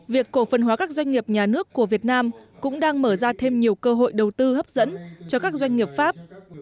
việc cổ phần hóa các doanh nghiệp nhà nước của việt nam cũng đang mở ra thêm nhiều cơ hội đầu tư hấp dẫn cho các doanh nghiệp pháp